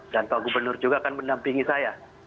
dan pak gubernur juga akan mendampingi saya